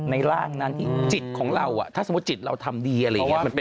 ร่างนั้นที่จิตของเราถ้าสมมุติจิตเราทำดีอะไรอย่างนี้